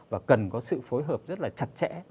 và cần có sự phối hợp rất là chặt chẽ